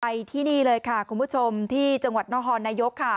ที่นี่เลยค่ะคุณผู้ชมที่จังหวัดนครนายกค่ะ